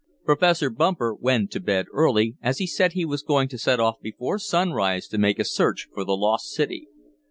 Professor Bumper went to bed early, as he said he was going to set off before sunrise to make a search for the lost city.